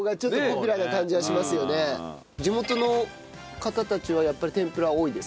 地元の方たちはやっぱり天ぷら多いですか？